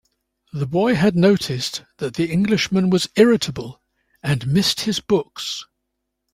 The boy had noticed that the Englishman was irritable, and missed his books.